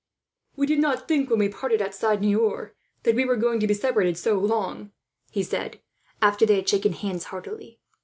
"We did not think, when we parted outside Niort, that we were going to be separated so long," he said, after they had shaken hands heartily.